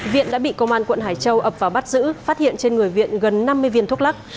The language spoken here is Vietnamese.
viện đã bị công an quận hải châu ập vào bắt giữ phát hiện trên người viện gần năm mươi viên thuốc lắc